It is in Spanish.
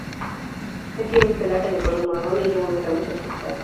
Él tiene un pelaje de color marrón y lleva una camisa azul claro.